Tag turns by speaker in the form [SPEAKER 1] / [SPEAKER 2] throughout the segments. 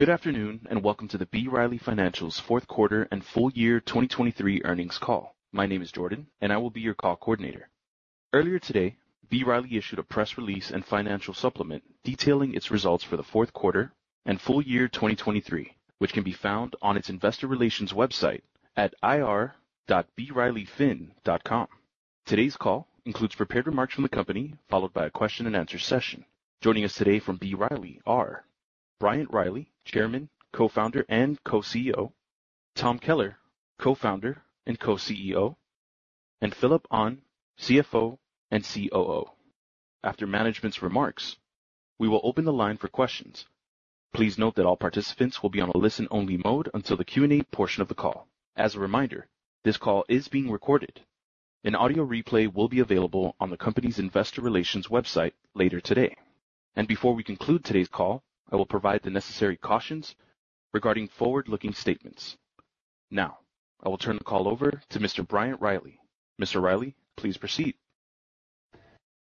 [SPEAKER 1] Good afternoon and welcome to the B. Riley Financial's Fourth Quarter and Full Year 2023 Earnings Call. My name is Jordan, and I will be your call coordinator. Earlier today, B. Riley issued a press release and financial supplement detailing its results for the fourth quarter and full year 2023, which can be found on its Investor Relations website at ir.brileyfin.com. Today's call includes prepared remarks from the company followed by a question-and-answer session. Joining us today from B. Riley are: Bryant Riley, Chairman, Co-Founder, and Co-CEO; Tom Kelleher, Co-Founder and Co-CEO; and Phillip Ahn, CFO and COO. After management's remarks, we will open the line for questions. Please note that all participants will be on a listen-only mode until the Q&A portion of the call. As a reminder, this call is being recorded. An audio replay will be available on the company's Investor Relations website later today. Before we conclude today's call, I will provide the necessary cautions regarding forward-looking statements. Now, I will turn the call over to Mr. Bryant Riley. Mr. Riley, please proceed.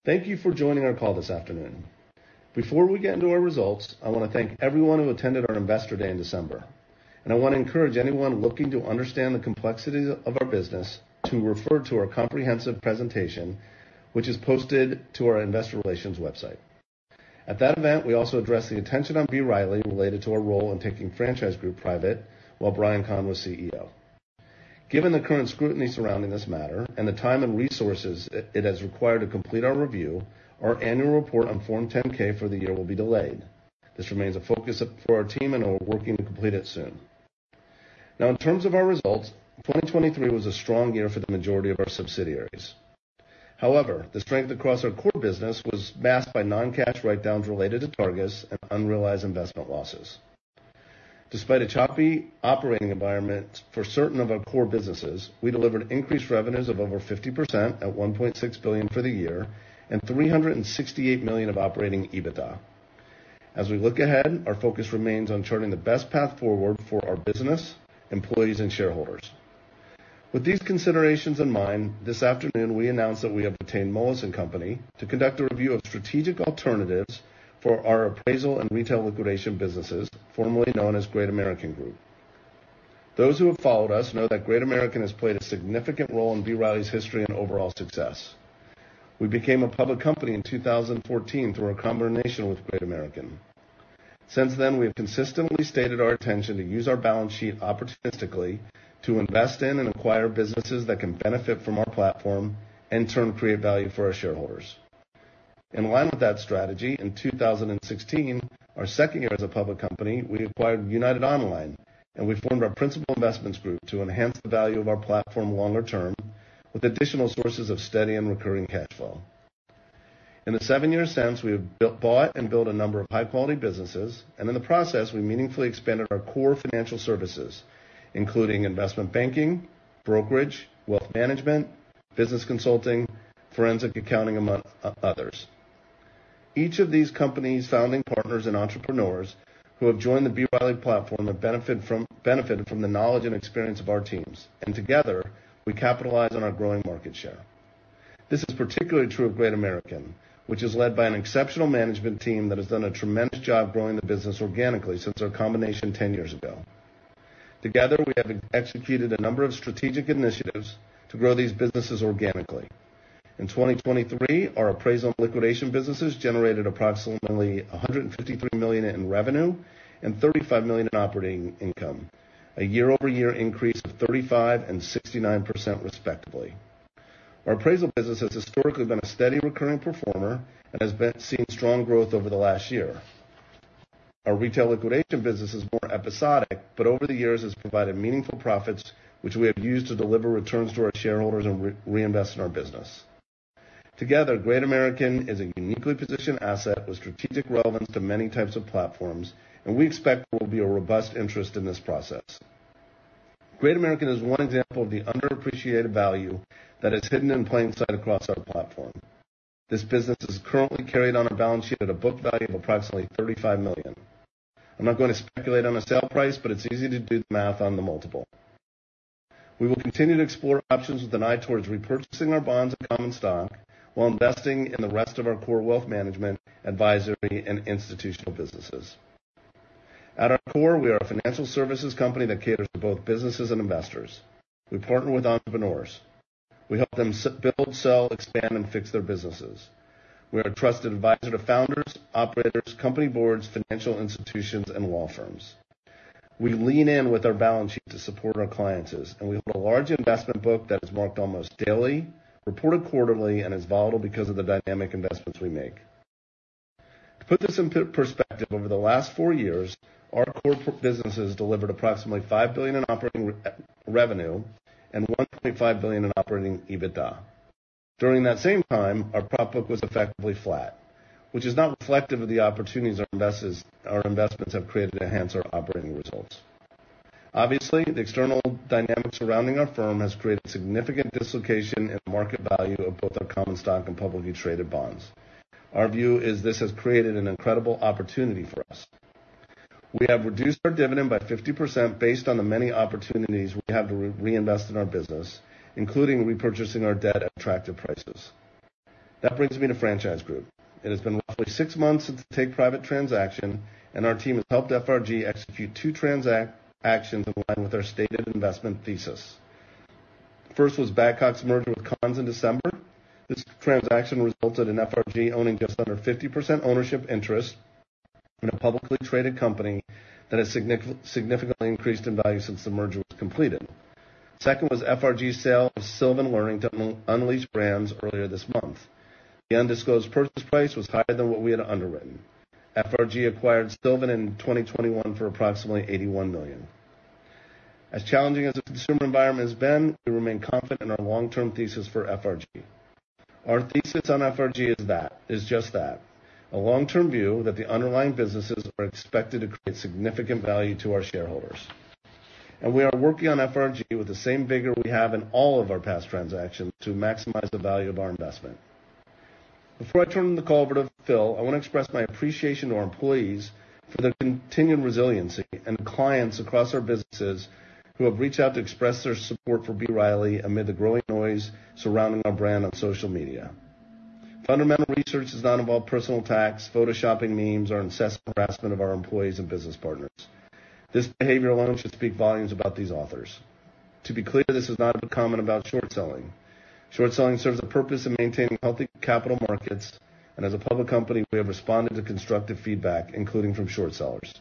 [SPEAKER 2] Thank you for joining our call this afternoon. Before we get into our results, I want to thank everyone who attended our Investor Day in December, and I want to encourage anyone looking to understand the complexities of our business to refer to our comprehensive presentation, which is posted to our Investor Relations website. At that event, we also addressed the attention on B. Riley related to our role in taking Franchise Group private while Bryan Kahn was CEO. Given the current scrutiny surrounding this matter and the time and resources it has required to complete our review, our annual report on Form 10-K for the year will be delayed. This remains a focus for our team, and we're working to complete it soon. Now, in terms of our results, 2023 was a strong year for the majority of our subsidiaries. However, the strength across our core business was masked by non-cash write-downs related to Targus and unrealized investment losses. Despite a choppy operating environment for certain of our core businesses, we delivered increased revenues of over 50% at $1.6 billion for the year and $368 million of operating EBITDA. As we look ahead, our focus remains on charting the best path forward for our business, employees, and shareholders. With these considerations in mind, this afternoon we announce that we have retained Moelis & Company to conduct a review of strategic alternatives for our appraisal and retail liquidation businesses, formerly known as Great American Group. Those who have followed us know that Great American has played a significant role in B. Riley's history and overall success. We became a public company in 2014 through our combination with Great American. Since then, we have consistently stated our intention to use our balance sheet opportunistically to invest in and acquire businesses that can benefit from our platform and in turn create value for our shareholders. In line with that strategy, in 2016, our second year as a public company, we acquired United Online, and we formed our principal investments group to enhance the value of our platform longer term with additional sources of steady and recurring cash flow. In the seven years since, we have bought and built a number of high-quality businesses, and in the process, we meaningfully expanded our core financial services, including investment banking, brokerage, wealth management, business consulting, forensic accounting, among others. Each of these companies, founding partners, and entrepreneurs who have joined the B. Riley platform have benefited from the knowledge and experience of our teams, and together, we capitalize on our growing market share. This is particularly true of Great American, which is led by an exceptional management team that has done a tremendous job growing the business organically since our combination 10 years ago. Together, we have executed a number of strategic initiatives to grow these businesses organically. In 2023, our appraisal and liquidation businesses generated approximately $153 million in revenue and $35 million in operating income, a year-over-year increase of 35% and 69%, respectively. Our appraisal business has historically been a steady recurring performer and has seen strong growth over the last year. Our retail liquidation business is more episodic, but over the years has provided meaningful profits, which we have used to deliver returns to our shareholders and reinvest in our business. Together, Great American is a uniquely positioned asset with strategic relevance to many types of platforms, and we expect there will be a robust interest in this process. Great American is one example of the underappreciated value that is hidden in plain sight across our platform. This business is currently carried on our balance sheet at a book value of approximately $35 million. I'm not going to speculate on a sale price, but it's easy to do the math on the multiple. We will continue to explore options with an eye towards repurchasing our bonds and common stock while investing in the rest of our core wealth management, advisory, and institutional businesses. At our core, we are a financial services company that caters to both businesses and investors. We partner with entrepreneurs. We help them build, sell, expand, and fix their businesses. We are a trusted advisor to founders, operators, company boards, financial institutions, and law firms. We lean in with our balance sheet to support our clients, and we hold a large investment book that is marked almost daily, reported quarterly, and is volatile because of the dynamic investments we make. To put this in perspective, over the last four years, our core businesses delivered approximately $5 billion in operating revenue and $1.5 billion in operating EBITDA. During that same time, our prop book was effectively flat, which is not reflective of the opportunities our investments have created to enhance our operating results. Obviously, the external dynamics surrounding our firm have created significant dislocation in the market value of both our common stock and publicly traded bonds. Our view is this has created an incredible opportunity for us. We have reduced our dividend by 50% based on the many opportunities we have to reinvest in our business, including repurchasing our debt at attractive prices. That brings me to Franchise Group. It has been roughly six months since the take-private transaction, and our team has helped FRG execute two transactions in line with our stated investment thesis. First was Badcock's merger with Conn's in December. This transaction resulted in FRG owning just under 50% ownership interest in a publicly traded company that has significantly increased in value since the merger was completed. Second was FRG's sale of Sylvan Learning to Unleashed Brands earlier this month. The undisclosed purchase price was higher than what we had underwritten. FRG acquired Sylvan in 2021 for approximately $81 million. As challenging as the consumer environment has been, we remain confident in our long-term thesis for FRG. Our thesis on FRG is just that: a long-term view that the underlying businesses are expected to create significant value to our shareholders. We are working on FRG with the same vigor we have in all of our past transactions to maximize the value of our investment. Before I turn the call over to Phil, I want to express my appreciation to our employees for their continued resiliency and clients across our businesses who have reached out to express their support for B. Riley amid the growing noise surrounding our brand on social media. Fundamental research does not involve personal attacks, photoshopping memes, or incessant harassment of our employees and business partners. This behavior alone should speak volumes about these authors. To be clear, this is not a comment about short selling. Short selling serves a purpose in maintaining healthy capital markets, and as a public company, we have responded to constructive feedback, including from short sellers.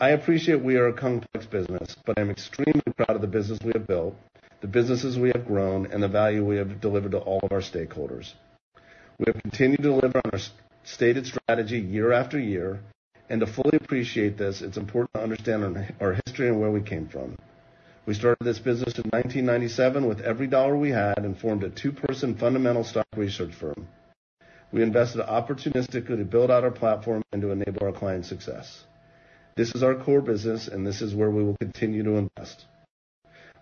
[SPEAKER 2] I appreciate we are a complex business, but I am extremely proud of the business we have built, the businesses we have grown, and the value we have delivered to all of our stakeholders. We have continued to deliver on our stated strategy year after year, and to fully appreciate this, it's important to understand our history and where we came from. We started this business in 1997 with every dollar we had and formed a two-person fundamental stock research firm. We invested opportunistically to build out our platform and to enable our clients' success. This is our core business, and this is where we will continue to invest.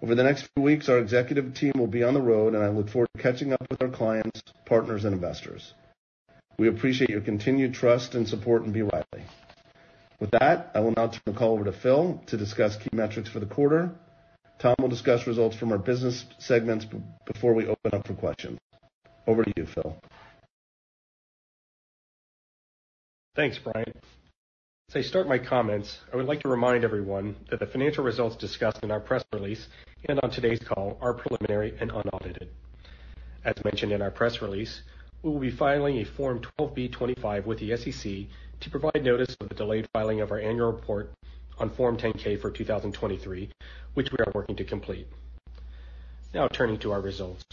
[SPEAKER 2] Over the next few weeks, our executive team will be on the road, and I look forward to catching up with our clients, partners, and investors. We appreciate your continued trust and support in B. Riley. With that, I will now turn the call over to Phil to discuss key metrics for the quarter. Tom will discuss results from our business segments before we open up for questions. Over to you, Phil.
[SPEAKER 3] Thanks, Bryant. As I start my comments, I would like to remind everyone that the financial results discussed in our press release and on today's call are preliminary and unaudited. As mentioned in our press release, we will be filing a Form 12b-25 with the SEC to provide notice of the delayed filing of our annual report on Form 10-K for 2023, which we are working to complete. Now turning to our results.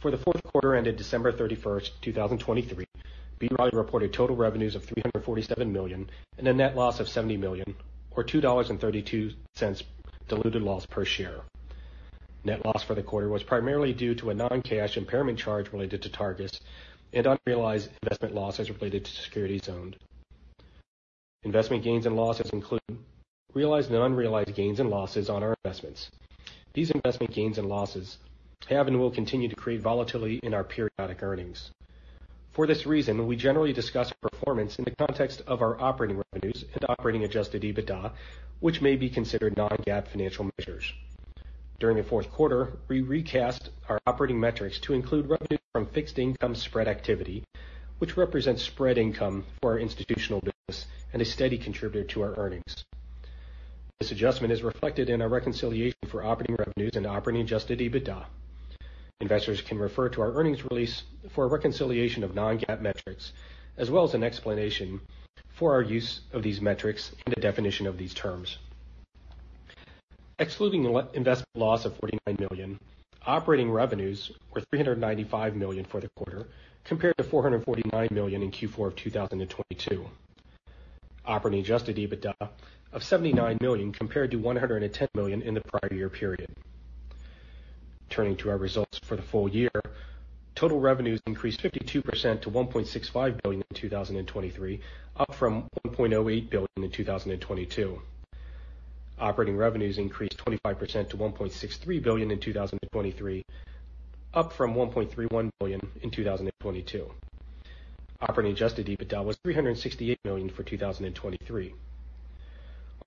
[SPEAKER 3] For the fourth quarter ended December 31st, 2023, B. Riley reported total revenues of $347 million and a net loss of $70 million, or $2.32 diluted loss per share. Net loss for the quarter was primarily due to a non-cash impairment charge related to Targus and unrealized investment losses related to Securities Owned. Investment gains and losses include realized and unrealized gains and losses on our investments. These investment gains and losses have and will continue to create volatility in our periodic earnings. For this reason, we generally discuss performance in the context of our operating revenues and operating-adjusted EBITDA, which may be considered non-GAAP financial measures. During the fourth quarter, we recast our operating metrics to include revenue from fixed income spread activity, which represents spread income for our institutional business and a steady contributor to our earnings. This adjustment is reflected in our reconciliation for operating revenues and operating-adjusted EBITDA. Investors can refer to our earnings release for reconciliation of non-GAAP metrics, as well as an explanation for our use of these metrics and the definition of these terms. Excluding investment loss of $49 million, operating revenues were $395 million for the quarter compared to $449 million in Q4 of 2022. Operating-adjusted EBITDA of $79 million compared to $110 million in the prior year period. Turning to our results for the full year, total revenues increased 52% to $1.65 billion in 2023, up from $1.08 billion in 2022. Operating revenues increased 25% to $1.63 billion in 2023, up from $1.31 billion in 2022. Operating-Adjusted EBITDA was $368 million for 2023. Our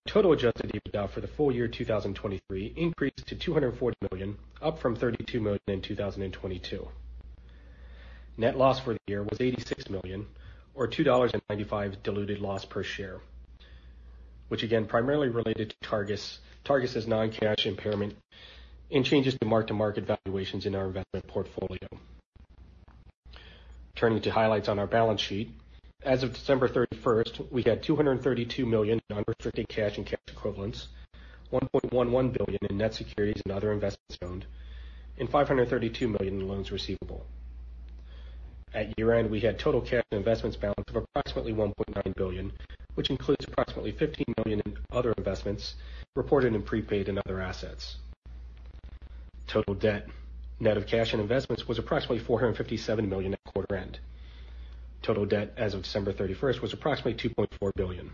[SPEAKER 3] total adjusted EBITDA for the full year 2023 increased to $240 million, up from $32 million in 2022. Net loss for the year was $86 million, or $2.95 diluted loss per share, which again primarily related to Targus's non-cash impairment and changes to mark-to-market valuations in our investment portfolio. Turning to highlights on our balance sheet, as of December 31st, we had $232 million in unrestricted cash and cash equivalents, $1.11 billion in net securities and other investments owned, and $532 million in loans receivable. At year-end, we had total cash and investments balance of approximately $1.9 billion, which includes approximately $15 million in other investments reported and prepaid in other assets. Total debt net of cash and investments was approximately $457 million at quarter-end. Total debt as of December 31st was approximately $2.4 billion.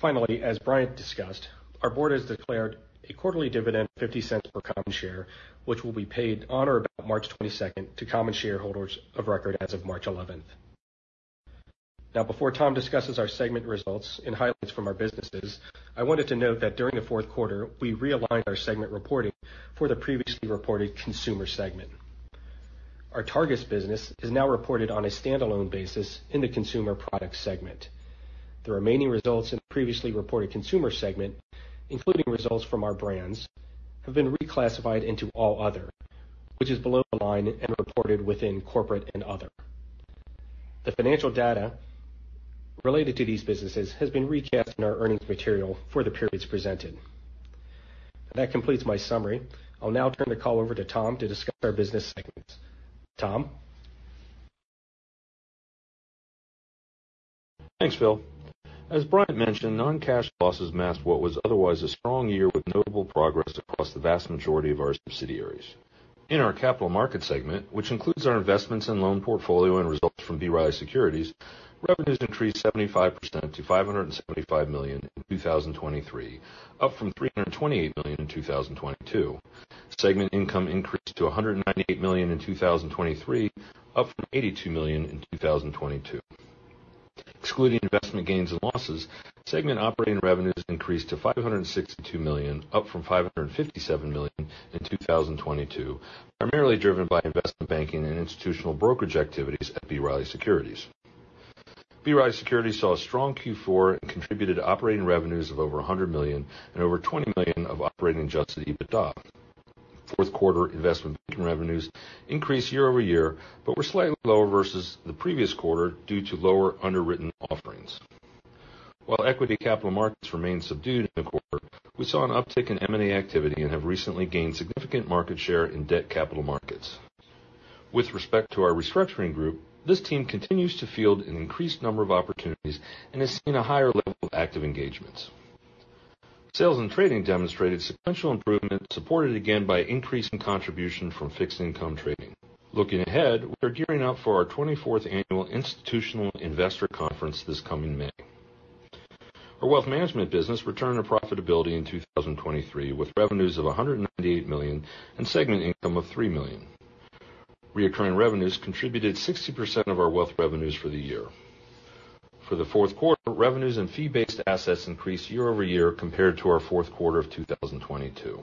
[SPEAKER 3] Finally, as Bryant discussed, our board has declared a quarterly dividend of $0.50 per common share, which will be paid on or about March 22nd to common shareholders of record as of March 11th. Now, before Tom discusses our segment results and highlights from our businesses, I wanted to note that during the fourth quarter, we realigned our segment reporting for the previously reported consumer segment. Our Targus business is now reported on a standalone basis in the consumer product segment. The remaining results in the previously reported consumer segment, including results from our brands, have been reclassified into all other, which is below the line and reported within corporate and other. The financial data related to these businesses has been recast in our earnings material for the periods presented. That completes my summary. I'll now turn the call over to Tom to discuss our business segments. Tom?
[SPEAKER 4] Thanks, Phil. As Bryant mentioned, non-cash losses masked what was otherwise a strong year with notable progress across the vast majority of our subsidiaries. In our capital market segment, which includes our investments and loan portfolio and results from B. Riley Securities, revenues increased 75% to $575 million in 2023, up from $328 million in 2022. Segment income increased to $198 million in 2023, up from $82 million in 2022. Excluding investment gains and losses, segment operating revenues increased to $562 million, up from $557 million in 2022, primarily driven by investment banking and institutional brokerage activities at B. Riley Securities. B. Riley Securities saw a strong Q4 and contributed to operating revenues of over $100 million and over $20 million of operating-adjusted EBITDA. Fourth quarter investment banking revenues increased year over year but were slightly lower versus the previous quarter due to lower underwritten offerings. While equity capital markets remained subdued in the quarter, we saw an uptick in M&A activity and have recently gained significant market share in debt capital markets. With respect to our restructuring group, this team continues to field an increased number of opportunities and has seen a higher level of active engagements. Sales and trading demonstrated sequential improvement, supported again by increasing contribution from fixed income trading. Looking ahead, we are gearing up for our 24th annual institutional investor conference this coming May. Our wealth management business returned to profitability in 2023 with revenues of $198 million and segment income of $3 million. Recurring revenues contributed 60% of our wealth revenues for the year. For the fourth quarter, revenues and fee-based assets increased year-over-year compared to our fourth quarter of 2022.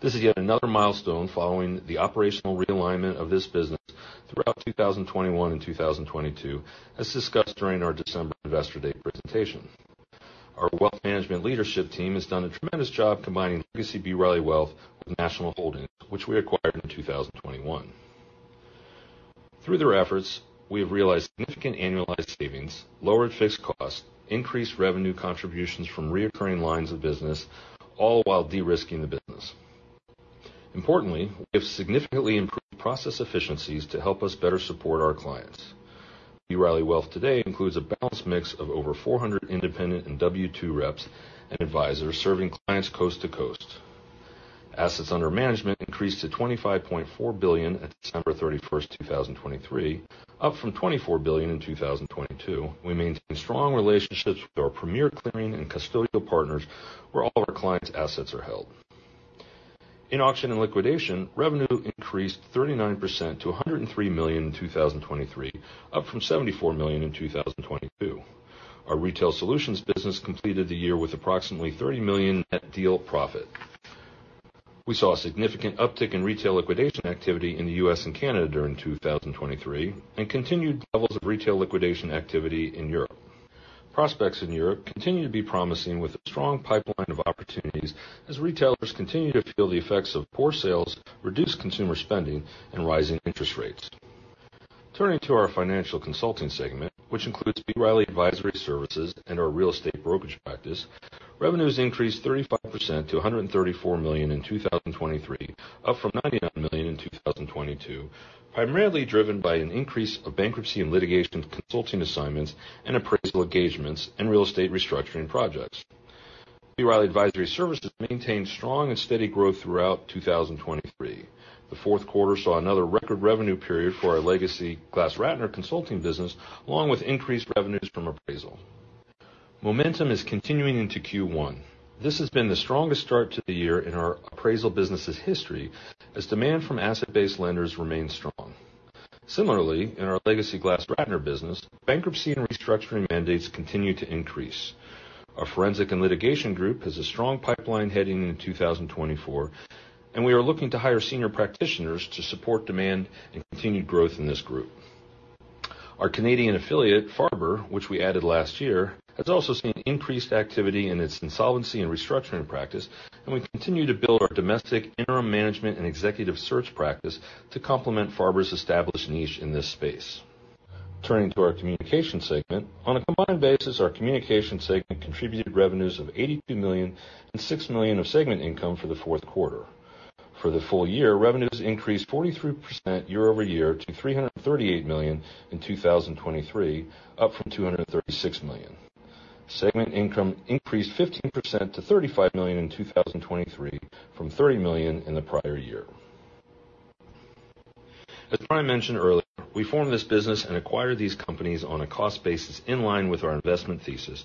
[SPEAKER 4] This is yet another milestone following the operational realignment of this business throughout 2021 and 2022, as discussed during our December Investor Day presentation. Our wealth management leadership team has done a tremendous job combining legacy B. Riley Wealth with National Holdings, which we acquired in 2021. Through their efforts, we have realized significant annualized savings, lowered fixed costs, increased revenue contributions from recurring lines of business, all while de-risking the business. Importantly, we have significantly improved process efficiencies to help us better support our clients. B. Riley Wealth today includes a balanced mix of over 400 independent and W-2 reps and advisors serving clients coast to coast. Assets under management increased to $25.4 billion at December 31st, 2023, up from $24 billion in 2022. We maintain strong relationships with our Premier Clearing and Custodial partners where all of our clients' assets are held. In Auction and Liquidation, revenue increased 39% to $103 million in 2023, up from $74 million in 2022. Our retail solutions business completed the year with approximately $30 million net deal profit. We saw a significant uptick in retail liquidation activity in the U.S. and Canada during 2023 and continued levels of retail liquidation activity in Europe. Prospects in Europe continue to be promising with a strong pipeline of opportunities as retailers continue to feel the effects of poor sales, reduced consumer spending, and rising interest rates. Turning to our financial consulting segment, which includes B. Riley Advisory Services and our real estate brokerage practice, revenues increased 35% to $134 million in 2023, up from $99 million in 2022, primarily driven by an increase of bankruptcy and litigation consulting assignments and appraisal engagements and real estate restructuring projects. B. Riley Advisory Services maintained strong and steady growth throughout 2023. The fourth quarter saw another record revenue period for our legacy GlassRatner consulting business, along with increased revenues from appraisal. Momentum is continuing into Q1. This has been the strongest start to the year in our appraisal business's history as demand from asset-based lenders remains strong. Similarly, in our legacy GlassRatner business, bankruptcy and restructuring mandates continue to increase. Our forensic and litigation group has a strong pipeline heading into 2024, and we are looking to hire senior practitioners to support demand and continued growth in this group. Our Canadian affiliate, Farber, which we added last year, has also seen increased activity in its insolvency and restructuring practice, and we continue to build our domestic interim management and executive search practice to complement Farber's established niche in this space. Turning to our communication segment, on a combined basis, our communication segment contributed revenues of $82 million and $6 million of segment income for the fourth quarter. For the full year, revenues increased 43% year over year to $338 million in 2023, up from $236 million. Segment income increased 15% to $35 million in 2023, from $30 million in the prior year. As Bryant mentioned earlier, we formed this business and acquired these companies on a cost basis in line with our investment thesis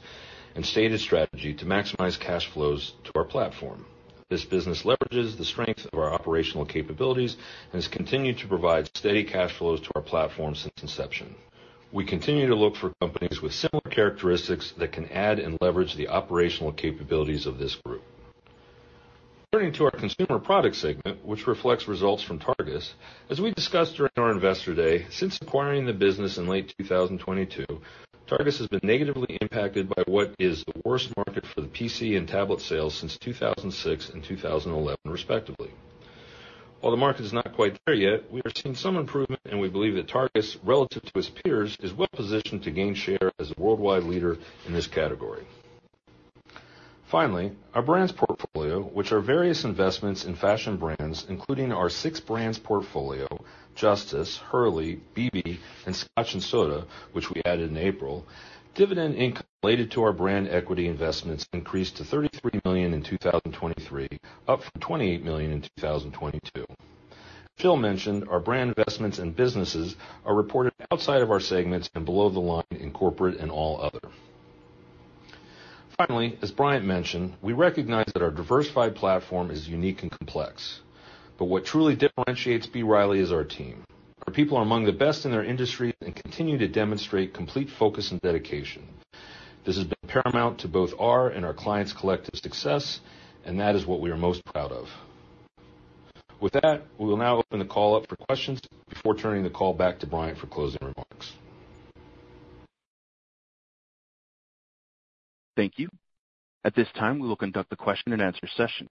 [SPEAKER 4] and stated strategy to maximize cash flows to our platform. This business leverages the strength of our operational capabilities and has continued to provide steady cash flows to our platform since inception. We continue to look for companies with similar characteristics that can add and leverage the operational capabilities of this group. Turning to our consumer product segment, which reflects results from Targus, as we discussed during our Investor Day, since acquiring the business in late 2022, Targus has been negatively impacted by what is the worst market for the PC and tablet sales since 2006 and 2011, respectively. While the market is not quite there yet, we are seeing some improvement, and we believe that Targus, relative to its peers, is well positioned to gain share as a worldwide leader in this category. Finally, our brands portfolio, which are various investments in fashion brands, including our six brands portfolio, Justice, Hurley, Bebe, and Scotch & Soda, which we added in April, dividend income related to our brand equity investments increased to $33 million in 2023, up from $28 million in 2022. Phil mentioned our brand investments and businesses are reported outside of our segments and below the line in corporate and all other. Finally, as Bryant mentioned, we recognize that our diversified platform is unique and complex, but what truly differentiates B. Riley is our team. Our people are among the best in their industry and continue to demonstrate complete focus and dedication. This has been paramount to both our and our clients' collective success, and that is what we are most proud of. With that, we will now open the call up for questions before turning the call back to Bryant for closing remarks.
[SPEAKER 1] Thank you. At this time, we will conduct the question-and-answer session.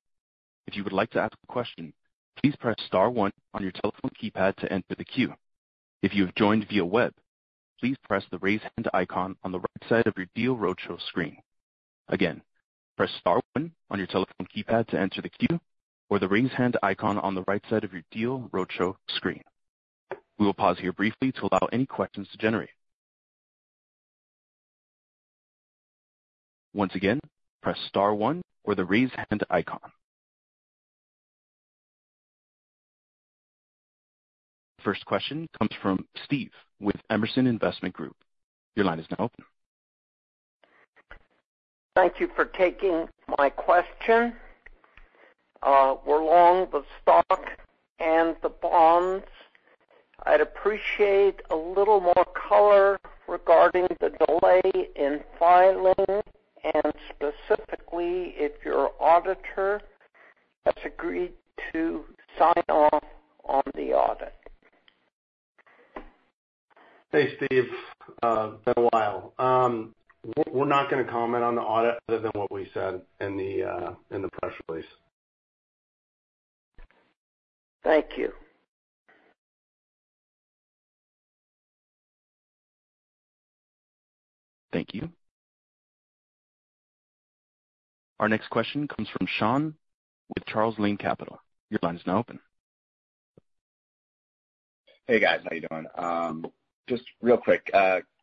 [SPEAKER 1] If you would like to ask a question, please press star 1 on your telephone keypad to enter the queue. If you have joined via web, please press the raise hand icon on the right side of your Deal Roadshow screen. Again, press star 1 on your telephone keypad to enter the queue, or the raise hand icon on the right side of your Deal Roadshow screen. We will pause here briefly to allow any questions to generate. Once again, press star 1 or the raise hand icon. First question comes from Steve with Emerson Investment Group. Your line is now open.
[SPEAKER 5] Thank you for taking my question. We're long the stock and the bonds. I'd appreciate a little more color regarding the delay in filing and specifically if your auditor has agreed to sign off on the audit.
[SPEAKER 2] Hey, Steve. Been a while. We're not going to comment on the audit other than what we said in the press release.
[SPEAKER 5] Thank you.
[SPEAKER 1] Thank you. Our next question comes from Sean with Charles Lane Capital. Your line is now open.
[SPEAKER 6] Hey, guys. How you doing? Just real quick,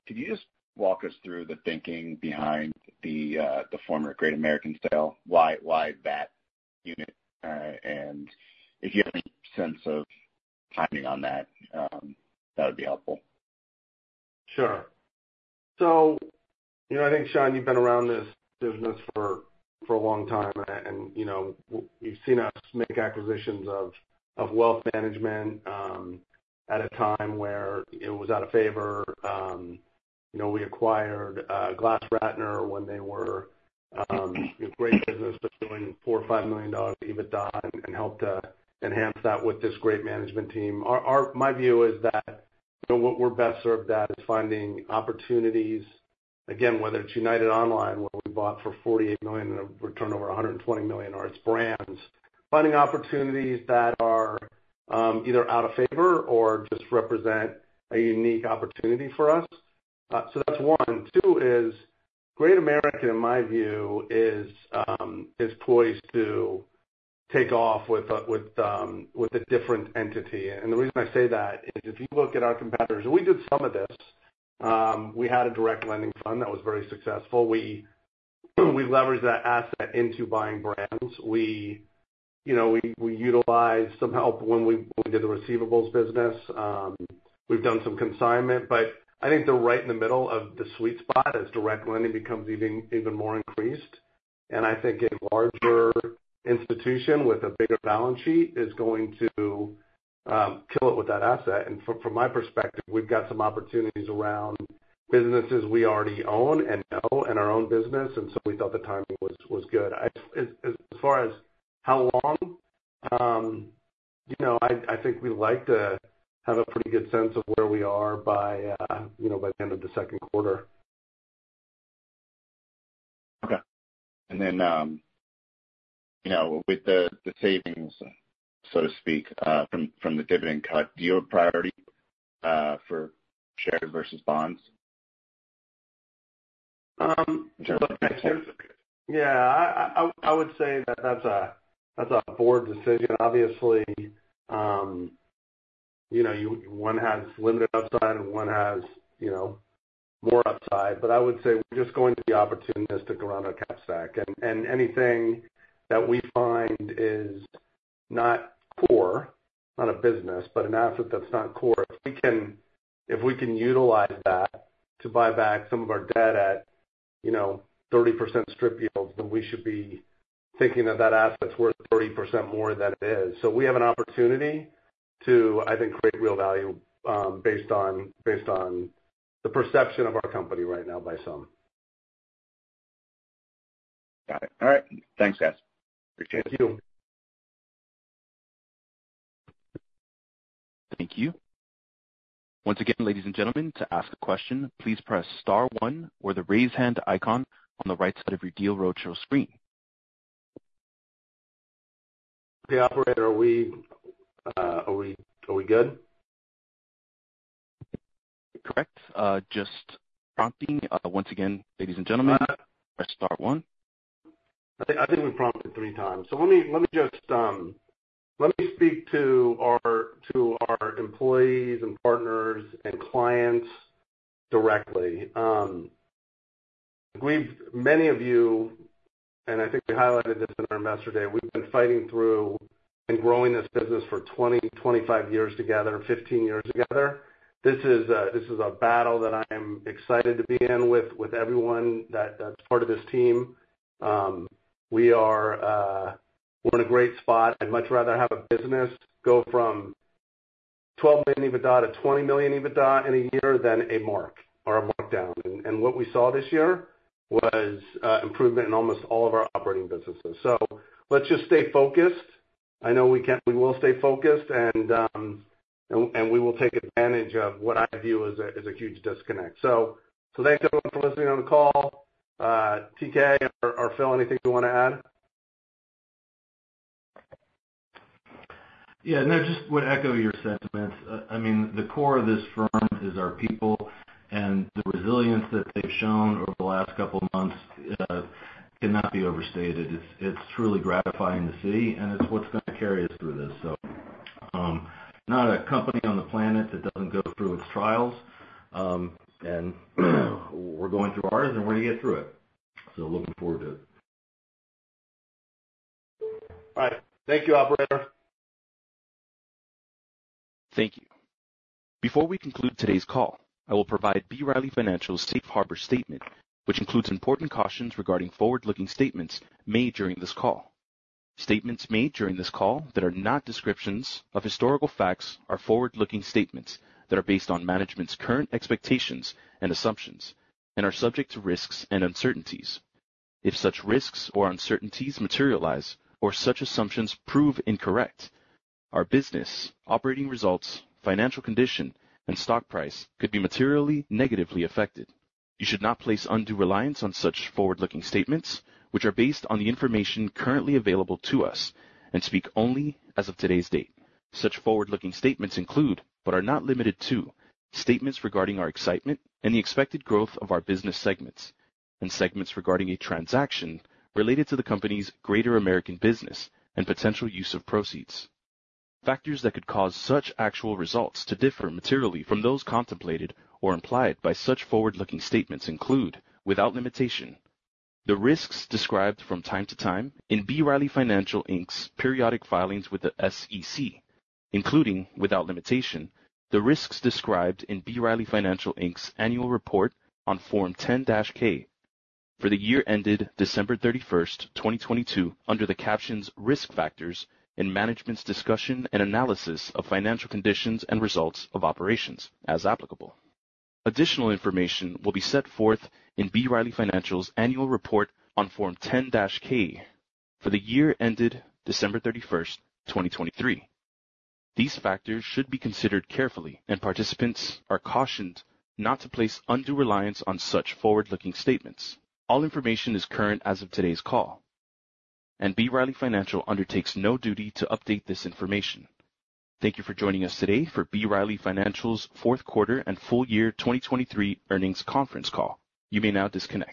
[SPEAKER 6] could you just walk us through the thinking behind the former Great American sale, why that unit, and if you have any sense of timing on that, that would be helpful?
[SPEAKER 2] Sure. So I think, Sean, you've been around this business for a long time, and you've seen us make acquisitions of wealth management at a time where it was out of favor. We acquired GlassRatner when they were a great business for doing $4 million-$5 million EBITDA and helped to enhance that with this great management team. My view is that what we're best served at is finding opportunities, again, whether it's United Online where we bought for $48 million and a return over $120 million on its brands, finding opportunities that are either out of favor or just represent a unique opportunity for us. So that's one. Two is Great American, in my view, is poised to take off with a different entity. And the reason I say that is if you look at our competitors, we did some of this. We had a direct lending fund that was very successful. We leveraged that asset into buying brands. We utilized some help when we did the receivables business. We've done some consignment, but I think they're right in the middle of the sweet spot as direct lending becomes even more increased. And I think a larger institution with a bigger balance sheet is going to kill it with that asset. And from my perspective, we've got some opportunities around businesses we already own and know and our own business, and so we thought the timing was good. As far as how long, I think we'd like to have a pretty good sense of where we are by the end of the second quarter.
[SPEAKER 6] Okay. And then with the savings, so to speak, from the dividend cut, do you have a priority for shares versus bonds?
[SPEAKER 2] Yeah. I would say that that's a board decision. Obviously, one has limited upside and one has more upside, but I would say we're just going to be opportunistic around our cap stack. Anything that we find is not core, not a business, but an asset that's not core, if we can utilize that to buy back some of our debt at 30% strip yields, then we should be thinking that that asset's worth 30% more than it is. So we have an opportunity to, I think, create real value based on the perception of our company right now by some.
[SPEAKER 6] Got it. All right. Thanks, guys. Appreciate it.
[SPEAKER 2] Thank you.
[SPEAKER 1] Thank you. Once again, ladies and gentlemen, to ask a question, please press star 1 or the raise hand icon on the right side of your Deal Roadshow screen.
[SPEAKER 2] Hey, operator, are we good?
[SPEAKER 1] Correct. Just prompting. Once again, ladies and gentlemen, press star 1.
[SPEAKER 2] I think we prompted three times. So let me just speak to our employees and partners and clients directly. Many of you, and I think we highlighted this in our Investor Day, we've been fighting through and growing this business for 20, 25 years together, 15 years together. This is a battle that I am excited to be in with everyone that's part of this team. We're in a great spot. I'd much rather have a business go from $12 million EBITDA to $20 million EBITDA in a year than a mark or a mark down. And what we saw this year was improvement in almost all of our operating businesses. So let's just stay focused. I know we will stay focused, and we will take advantage of what I view as a huge disconnect. So thanks, everyone, for listening on the call. TK or Phil, anything you want to add?
[SPEAKER 4] Yeah. No, just would echo your sentiments. I mean, the core of this firm is our people, and the resilience that they've shown over the last couple of months cannot be overstated. It's truly gratifying to see, and it's what's going to carry us through this. So not a company on the planet that doesn't go through its trials, and we're going through ours, and we're going to get through it. Looking forward to it.
[SPEAKER 2] All right. Thank you, operator.
[SPEAKER 1] Thank you. Before we conclude today's call, I will provide B. Riley Financial's Safe Harbor Statement, which includes important cautions regarding forward-looking statements made during this call. Statements made during this call that are not descriptions of historical facts are forward-looking statements that are based on management's current expectations and assumptions and are subject to risks and uncertainties. If such risks or uncertainties materialize or such assumptions prove incorrect, our business, operating results, financial condition, and stock price could be materially negatively affected. You should not place undue reliance on such forward-looking statements, which are based on the information currently available to us, and speak only as of today's date. Such forward-looking statements include but are not limited to statements regarding our excitement and the expected growth of our business segments and segments regarding a transaction related to the company's Great American business and potential use of proceeds. Factors that could cause such actual results to differ materially from those contemplated or implied by such forward-looking statements include, without limitation, the risks described from time to time in B. Riley Financial, Inc.'s periodic filings with the SEC, including, without limitation, the risks described in B. Riley Financial, Inc.'s annual report on Form 10-K for the year ended December 31st, 2022, under the captions "Risk Factors in Management's Discussion and Analysis of Financial Condition and Results of Operations," as applicable. Additional information will be set forth in B. Riley Financial's annual report on Form 10-K for the year ended December 31st, 2023. These factors should be considered carefully, and participants are cautioned not to place undue reliance on such forward-looking statements. All information is current as of today's call, and B. Riley Financial undertakes no duty to update this information. Thank you for joining us today for B. Riley Financial's fourth quarter and full year 2023 earnings conference call. You may now disconnect.